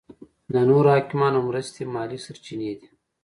د نورو حاکمانو مرستې مالي سرچینې دي.